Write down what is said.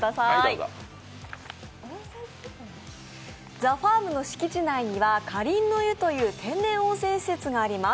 ＴＨＥＦＡＲＭの敷地内にはかりんの湯という天然温泉施設があります。